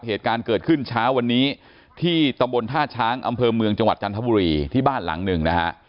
เหตุการณ์เกิดขึ้นเช้าวันนี้ที่ตำบลท่าช้างอำเภอเมืองจังหวัดจันทบุรีที่บ้านหลังหนึ่งนะฮะ